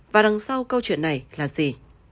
và đằng sau câu chuyện này là gì